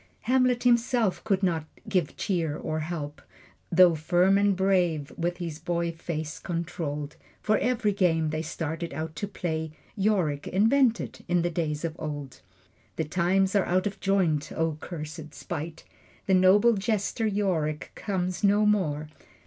Hamlet himself could not give cheer or help, Though firm and brave, with his boy face controlled. For every game they started out to play Yorick invented, in the days of old. The times are out of joint! O cursed spite! The noble jester Yorick comes no more.